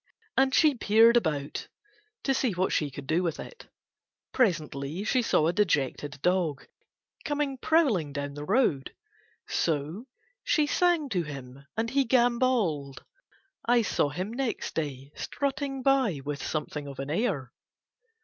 And she peered about to see what she could do with it. Presently she saw a dejected dog coming prowling down the road, so she sang to him and he gambolled. I saw him next day strutting by with something of an air.